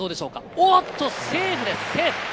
おっと、セーフです。